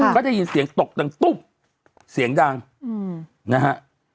เขาจะยินเสียงตกต่างตุ๊บเสียงดังนะฮะ